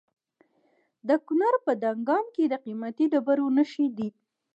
د کونړ په دانګام کې د قیمتي ډبرو نښې دي.